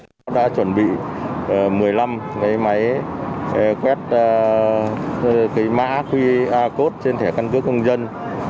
chúng tôi đã chuẩn bị một mươi năm máy quét mã qr code trên thẻ căn cước công dân